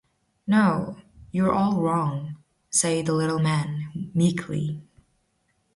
"No; you are all wrong," said the little man, meekly.